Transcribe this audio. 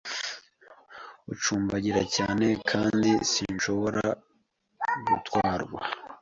ucumbagira cyane kandi sinshobora gutwarwa